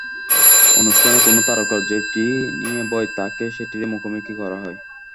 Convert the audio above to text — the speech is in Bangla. অনুষ্ঠানে কোনো তারকার যেটি নিয়ে ভয়, তাঁকে সেটিরই মুখোমুখি করা হয়।